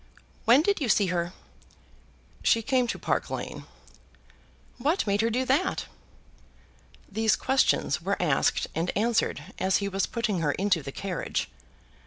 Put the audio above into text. "When did you see her?" "She came to Park Lane." "What made her do that?" These questions were asked and answered as he was putting her into the carriage.